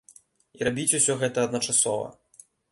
І рабіць усё гэта адначасова.